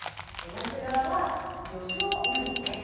ナムプラーは魚しょうなんですね。